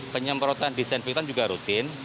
penyemprotan disenpitan juga rutin